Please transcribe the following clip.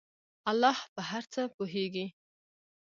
الله په هر څه پوهیږي.